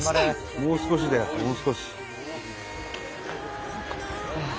もう少しだよもう少し。